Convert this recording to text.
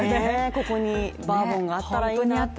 ここにバーボンがあったらいいなって。